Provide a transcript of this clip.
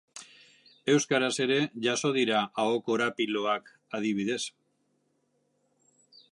Euskaraz ere jaso dira aho-korapiloak, adibidez.